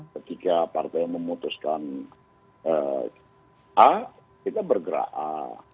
ketika partai memutuskan a kita bergerak a